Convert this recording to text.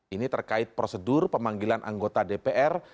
ini terkait prosedur pemanggilan anggota dpr